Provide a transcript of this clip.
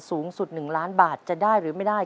สูงสุด๑ล้านบาทจะได้หรือไม่ได้